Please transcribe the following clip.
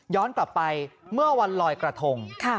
ย้อนต่อไปเมื่อวันลอยกระทง